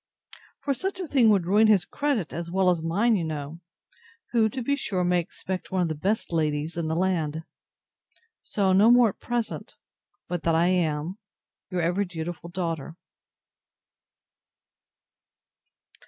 For such a thing would ruin his credit, as well as mine, you know: who, to be sure, may expect one of the best ladies in the land. So no more at present, but that I am Your ever dutiful DAUGHTER.